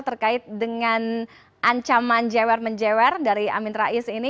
terkait dengan ancaman jewer menjewer dari amin rais ini